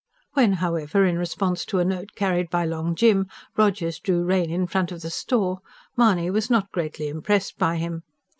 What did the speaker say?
When, however, in response to a note carried by Long Jim Rogers drew rein in front of the store, Mahony was not greatly impressed by him.